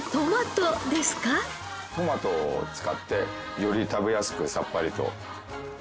トマトを使ってより食べやすくさっぱりと。